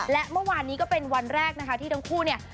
และเมื่อวานนี้ก็เป็นวันแรกนะคะที่ทั้งคู่เนี่ย